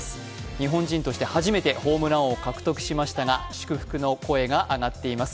日本人として初めてホームラン王を獲得しましたが祝福の声が上がっています。